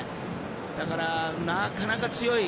だから、なかなか強い。